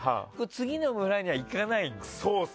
次の村には行かないんだ？